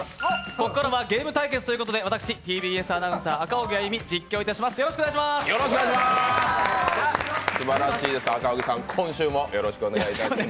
ここからはゲーム対決ということで、私、ＴＢＳアナウンサー・赤荻歩実況いたします。